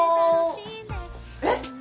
えっ？